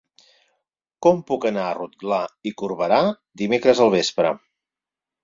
Com puc anar a Rotglà i Corberà dimecres al vespre?